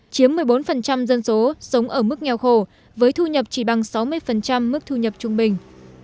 chiếm một mươi bốn dân số sống ở mức nghèo khổ với thu nhập chỉ bằng sáu mươi mức thu nhập trung bình